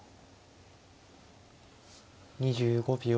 ２５秒。